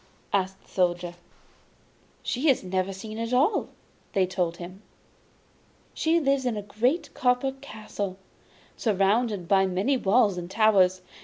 asked the Soldier. 'She is never to be seen at all!' they told him; 'she lives in a great copper castle, surrounded by many walls and towers!